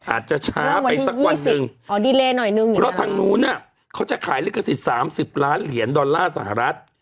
อาจจะช้าไปสักวันหนึ่งเพราะทางนู้นเขาจะขายลิขสิทธิ์๓๐ล้านเหรียญดอลลาร์สหรัฐ